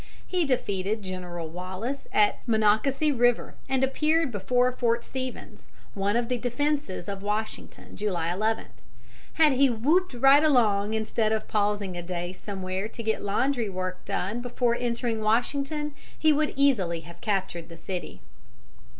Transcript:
He defeated General Wallace at Monocacy River, and appeared before Fort Stevens, one of the defences of Washington, July 11. Had he whooped right along instead of pausing a day somewhere to get laundry work done before entering Washington, he would easily have captured the city.